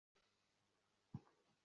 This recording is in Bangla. তাই, ধন্যবাদ আপনাকে।